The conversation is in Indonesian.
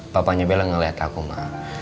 papanya bella ngelihat aku ma